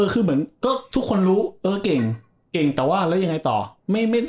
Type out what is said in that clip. คือเหมือนก็ทุกคนรู้เออเก่งเก่งแต่ว่าแล้วยังไงต่อ